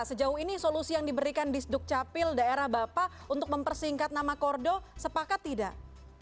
sejauh ini solusi yang diberikan di sdukcapil daerah bapak untuk mempersingkat nama kordo sepakat tidak